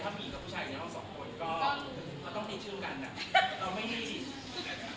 ก็ต้องมีชื่อกันอ่ะเราไม่มี